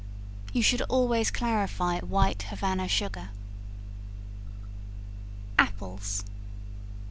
You should always clarify white Havana sugar. Apples.